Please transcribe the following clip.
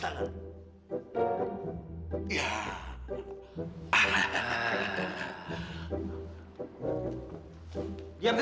kamu tak inget gak bisa